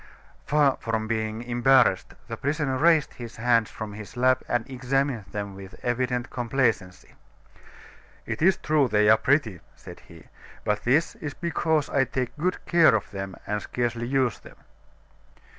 Far from being embarrassed, the prisoner raised his hands from his lap and examined them with evident complacency. "It is true they are pretty," said he, "but this is because I take good care of them and scarcely use them."